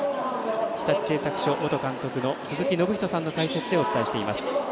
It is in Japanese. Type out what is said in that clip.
日立製作所元監督の鈴木信人さんの解説でお伝えしています。